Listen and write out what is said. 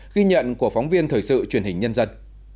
ghi nhận của phóng viên thời sự truyền hình nhân dân